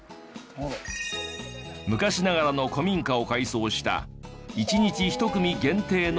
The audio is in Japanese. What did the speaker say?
昔ながらの古民家を改装した１日１組限定の宿。